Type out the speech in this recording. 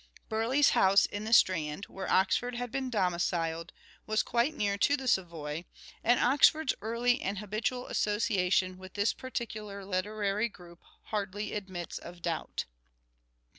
Burleigh's house in the Strand, where Oxford had been domiciled, was quite near to the Savoy, and Oxford's early and habitual association with this particular literary group hardly admits of doubt.